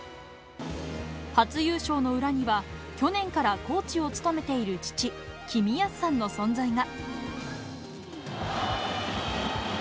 初優勝の裏には、去年からコーチを務めている父、公康さんの存在が。